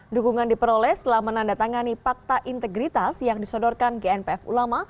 dukungan diperoleh setelah menandatangani fakta integritas yang disodorkan gnpf ulama